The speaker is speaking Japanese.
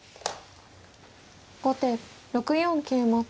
後手６四桂馬。